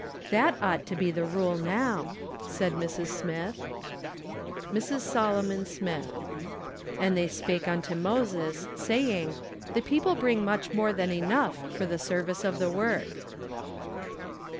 That ought to be the rule now," said Mrs. Smith. Mrs. Solomon Smith. " And they spake unto 3Toses , saying , The peo¬ ple bmig much more than enough for the service of the icoi'k."